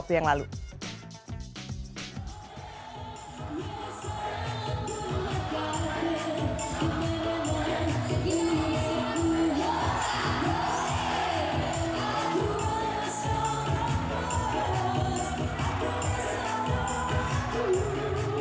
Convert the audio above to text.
stupaknya lebih windih lagi ya